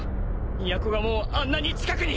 都がもうあんなに近くに。